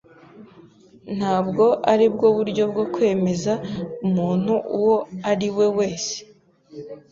Ntabwo aribwo buryo bwo kwemeza umuntu uwo ari we wese.